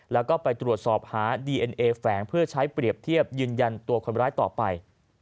แล้วก็ไปตรวจสอบหาดีเอ็นเอแฝงเพื่อใช้เปรียบเทียบยืนยันตัวคนร้ายต่อไป